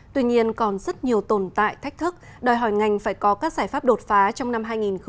tuy nhiên còn rất nhiều tồn tại thách thức đòi hỏi ngành phải có các giải pháp đột phá trong năm hai nghìn hai mươi